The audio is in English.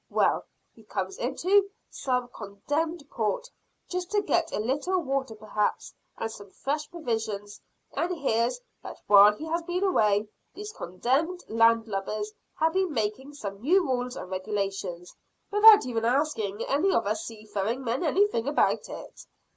Well, he comes into some condemned port, just to get a little water perhaps, and some fresh provisions; and hears that while he has been away, these condemned land lubbers have been making some new rules and regulations, without even asking any of us seafaring men anything about it.